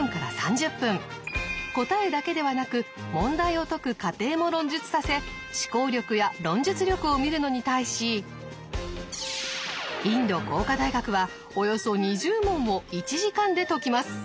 答えだけではなく問題を解く過程も論述させ思考力や論述力を見るのに対しインド工科大学はおよそ２０問を１時間で解きます。